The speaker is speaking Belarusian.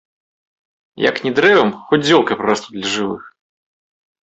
Як не дрэвам, хоць зёлкай прарасту для жывых.